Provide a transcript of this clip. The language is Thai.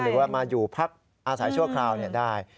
หรือว่ามาอยู่พักอาศัยชั่วคราวได้